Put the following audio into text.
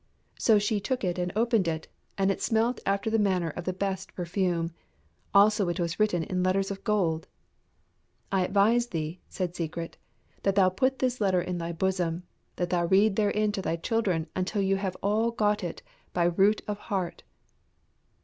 So she took it and opened it, and it smelt after the manner of the best perfume; also it was written in letters of gold. "I advise thee," said Secret, "that thou put this letter in thy bosom, that thou read therein to thy children until you have all got it by root of heart."